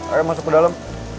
ayo masuk ke dalam